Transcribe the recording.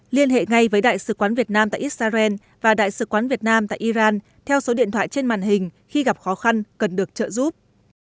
liên hệ ngay với đại sứ quán việt nam tại israel và đại sứ quán việt nam tại iran theo số điện thoại trên màn hình khi gặp khó khăn cần được trợ giúp